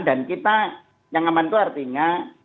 kita yang aman itu artinya